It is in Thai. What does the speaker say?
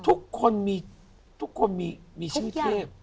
ทุกคนมีทุกคนมีชื่อเทพ